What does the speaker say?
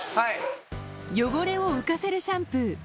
汚れを浮かせるシャンプー